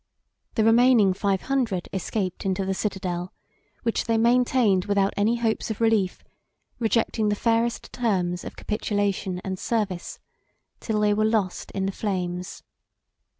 The remaining five hundred escaped into the citadel, which they maintained without any hopes of relief, rejecting the fairest terms of capitulation and service, till they were lost in the flames.